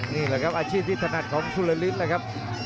นี่แหละครับอาชีพที่ถนัดของสุรฤทธิ์นะครับ